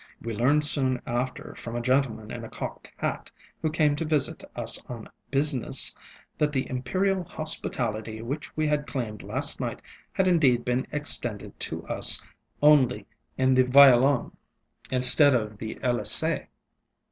We learn soon after from a gentleman in a cocked hat, who came to visit us on business, that the imperial hospitality which we had claimed last night had indeed been extended to usŌĆöonly in the violon, instead of the Elys├®e.